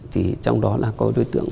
chỉ trong đó là có đối tượng